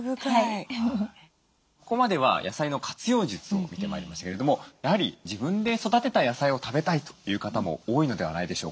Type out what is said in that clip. ここまでは野菜の活用術を見てまいりましたけれどもやはり自分で育てた野菜を食べたいという方も多いのではないでしょうか。